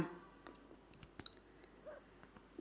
đó là những báu vật còn sót lại của kiến trúc cổ làng quê việt nam